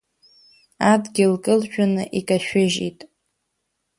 Адгьыл кылжәаны икашәыжьит…